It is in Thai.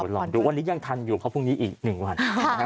รอดูวันนี้ยังทันอยู่เพราะพรุ่งนี้อีก๑วัน